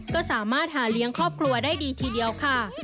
ก็สามารถหาเลี้ยงครอบครัวได้ดีทีเดียวค่ะ